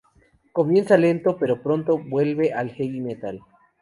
Comienza lento pero pronto vuelve el heavy metal.